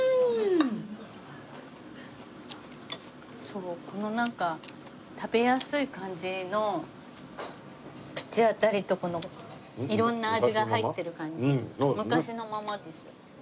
そうこの食べやすい感じの口当たりとこの色んな味が入ってる感じ昔のままです。